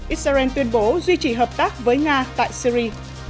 israel tuyên bố duy trì hợp tác với nga tại syri